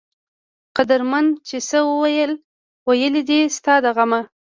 قدرمند چې څۀ وئيل دي ستا د غمه